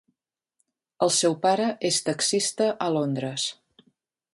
El seu pare és taxista a Londres.